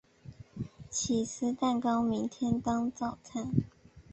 起司蛋糕明天当早餐